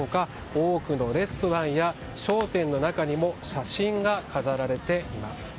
多くのレストランや商店の中にも写真が飾られています。